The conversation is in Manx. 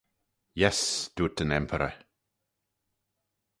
Yess. dooyrt yn Emperor.